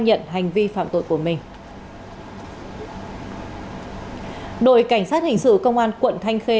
nhận hành vi phạm tội của mình đội cảnh sát hình sự công an quận thanh khê